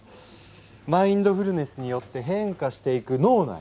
マインドフルネスによって変化していく脳内